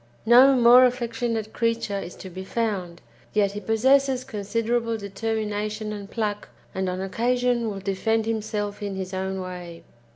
No more affectionate creature is to be found, yet he possesses considerable determination and pluck, and on occasion will defend himself in his own way.